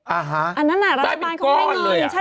อันนั้นน่ะรัฐบาลเขาให้เงิน